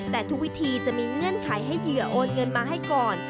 แต่ทุกวิธีจะมีเงื่อนไขให้เหยื่อโอนเงินมาให้ก่อน